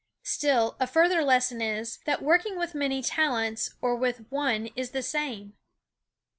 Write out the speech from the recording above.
Still a further lesson is, that working with many talents or with one is the same.